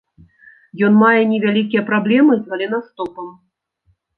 Ён мае невялікія праблемы з галенастопам.